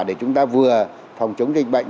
để chúng ta vừa phòng chống dịch bệnh